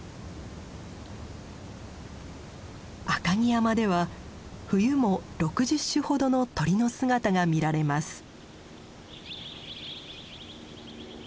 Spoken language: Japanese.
赤城山では冬も６０種ほどの鳥の姿が見られます。